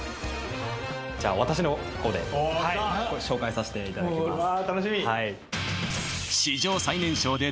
じゃあ私の方で紹介さしていただきます